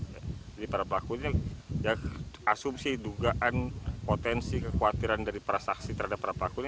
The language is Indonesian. jadi para pelakuin yang asumsi dugaan potensi kekhawatiran dari para saksi terhadap para pelakuin